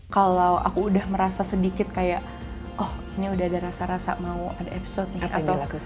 kalau aku udah merasa sedikit kayak oh ini udah ada rasa rasa mau ada episode nih atau